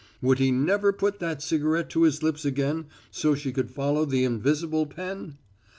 Would he never put that cigarette to his lips again, so she could follow the invisible pen!